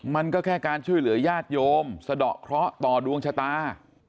มันก็แค่การช่วยเหลือญาติโยมสะดอกเคราะห์ต่อดวงชะตา